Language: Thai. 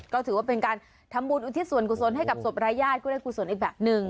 ก็ถือว่าเป็นการทำบุญอุทิศส่วนกุศลให้กับศพรายญาติก็ได้กุศลอีกแบบหนึ่ง